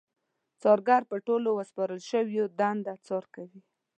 څارګر په ټولو ورسپارل شويو دنده څار کوي.